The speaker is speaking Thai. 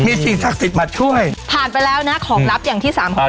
มีสิ่งศักดิ์สิทธิ์มาช่วยผ่านไปแล้วนะของลับอย่างที่สามของ